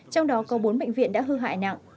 trong đó có bốn bệnh viện đã hư hại nặng